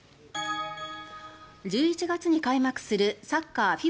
１１月に開幕するサッカーＦＩＦＡ